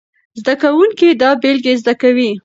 زده کوونکي دا بېلګې زده کوي.